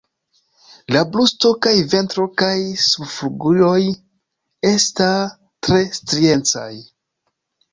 La brusto kaj ventro kaj subflugiloj esta tre striecaj.